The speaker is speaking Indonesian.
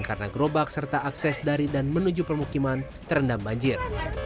karena gerobak serta akses dari dan menuju permukiman terendam banjir